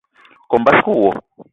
Kome basko wo.